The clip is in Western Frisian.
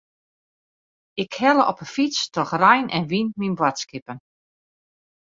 Ik helle op 'e fyts troch rein en wyn myn boadskippen.